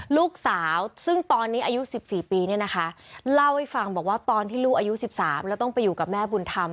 ลูกสาวซึ่งตอนนี้อายุ๑๔ปีเนี่ยนะคะเล่าให้ฟังบอกว่าตอนที่ลูกอายุ๑๓แล้วต้องไปอยู่กับแม่บุญธรรม